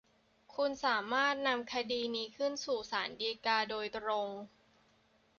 คุณสามารถนำคดีนี้ขึ้นสู่ศาลฎีกาโดยตรง